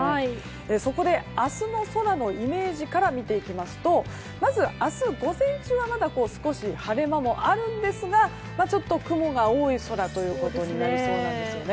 そこで明日の空のイメージから見ていきますとまず明日午前中はまだ少し晴れ間もあるんですがちょっと雲が多い空ということになりそうなんです。